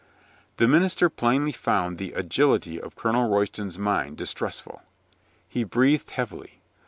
The minister plainly found the agility of Colonel Royston's mind distressful. He breathed heavily.